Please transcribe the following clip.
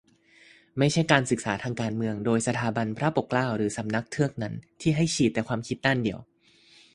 ไม่ใช่การศึกษาทางการเมือง โดย สถาบันพระปกเกล้า หรือสำนักเทือกนั้น ที่ให้ฉีดแต่ความคิดด้านเดียว